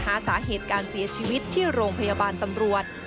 หาสาเหตุการเสียชีวิตที่โรงพยาบาลตำรวจ